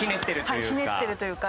ひねってるというか？